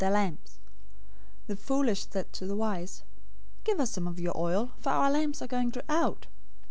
} 025:008 The foolish said to the wise, 'Give us some of your oil, for our lamps are going out.'